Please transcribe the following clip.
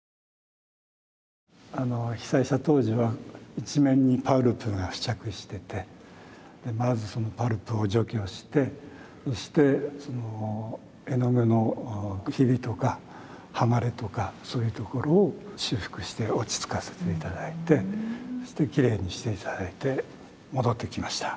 被災した当時は一面にパルプが付着しててまずそのパルプを除去してそしてその絵の具のヒビとか剥がれとかそういう所を修復して落ち着かせて頂いてそしてきれいにして頂いて戻ってきました。